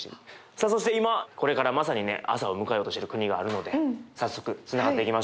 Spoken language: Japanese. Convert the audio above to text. さあそして今これからまさにね朝を迎えようとしている国があるので早速つながっていきましょう。